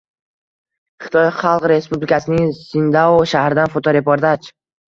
Xitoy Xalq Respublikasining Sindao shahridan fotoreportaj